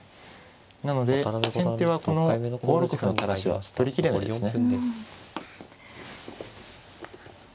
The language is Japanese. なので先手はこの５六歩の垂らしは取りきれないですね。